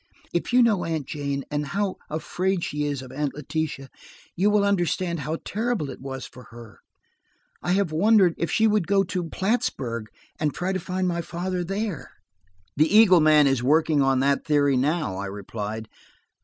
If you know Aunt Jane, and how afraid she is of Aunt Letitia, you will understand how terrible it was for her. I have wondered if she would go–to Plattsburg, and try to find father there." "The Eagle man is working on that theory now," I replied.